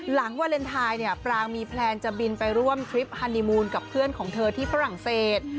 วาเลนไทยเนี่ยปรางมีแพลนจะบินไปร่วมทริปฮานีมูลกับเพื่อนของเธอที่ฝรั่งเศส